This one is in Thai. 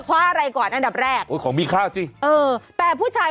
ไฟไมส์ไฟไมส์แบบเวลา